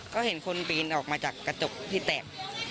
ก็เห็นคนปีนออกมาจากกระจกที่แตก